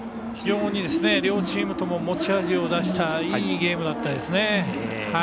非常に両チームとも持ち味を出したいいゲームでしたね。